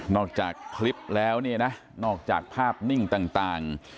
จากคลิปแล้วเนี่ยนะนอกจากภาพนิ่งต่าง